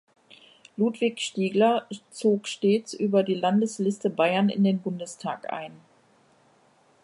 Ludwig Stiegler zog stets über die Landesliste Bayern in den Bundestag ein.